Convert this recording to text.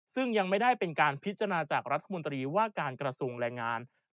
ซึ่งยังไม่ได้เป็นการพิจารณาจากรัฐมนตรีว่าการกระทรวงแรงงาน